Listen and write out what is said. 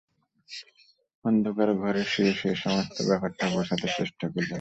অন্ধকার ঘরে শুয়ে শুয়ে সমস্ত ব্যাপারটা গোছাতে চেষ্টা করলেন।